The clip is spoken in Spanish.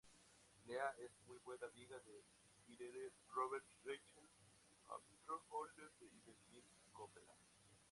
Leah es muy buena amiga de Irene Roberts, Rachel Armstrong-Holden y de Miles Copeland.